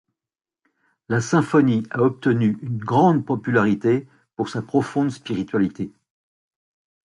La symphonie a obtenu une grande popularité pour sa profonde spiritualité.